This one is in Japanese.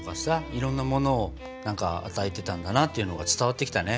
いろんなものを与えてたんだなっていうのが伝わってきたね。